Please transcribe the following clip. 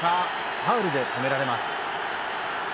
ファウルで止められます。